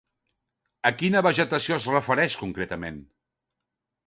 A quina vegetació es refereix concretament?